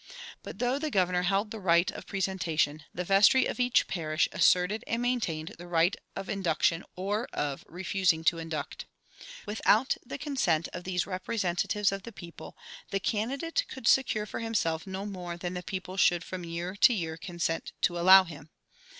But though the governor held the right of presentation, the vestry of each parish asserted and maintained the right of induction or of refusing to induct. Without the consent of these representatives of the people the candidate could secure for himself no more than the people should from year to year consent to allow him.